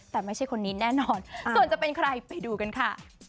แต่ไม่ใช่คนนี้แน่นอนส่วนจะเป็นใครไปดูกันค่ะ